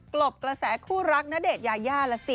ลบกระแสคู่รักณเดชน์ยายาล่ะสิ